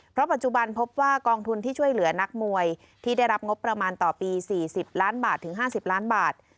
เพราะปัจจุบันพบว่ากองทุนที่ช่วยเหลือนักมวยที่ได้รับงบประมาณต่อปี๔๐ล้านบาทถึง๕๐ล้านบาท